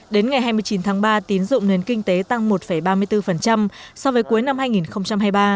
đến ngày hai mươi chín tháng ba tín dụng nền kinh tế tăng một ba mươi bốn so với cuối năm hai nghìn hai mươi ba